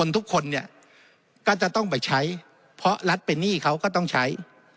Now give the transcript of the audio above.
ทุกคนก็ต้องไปใช้